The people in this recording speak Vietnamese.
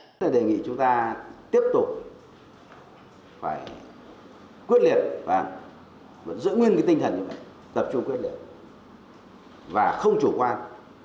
chúng ta đề nghị chúng ta tiếp tục phải quyết liệt và giữ nguyên tinh thần như vậy tập trung quyết liệt và không chủ quan